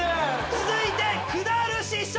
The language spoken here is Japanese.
続いてくだる師匠。